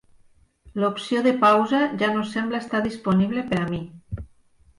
L'opció de pausa ja no sembla estar disponible per a mi.